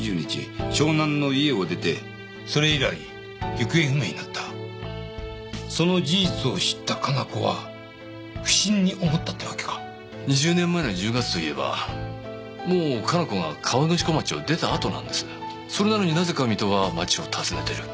湘南の家を出てそれ以来行方不明になったその事実を知った加奈子は不審に思ったってわけか２０年前の１０月といえばもう加奈子が河口湖町を出たあとなんですそれなのになぜか水戸は町を訪ねてる